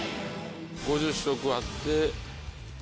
５０食あって。